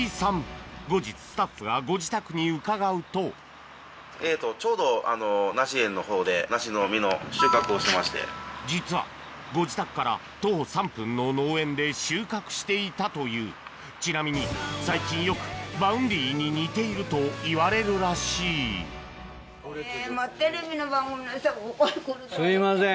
後日スタッフがご自宅に伺うと実はご自宅から徒歩３分の農園で収穫していたというちなみに最近よくらしいすいません。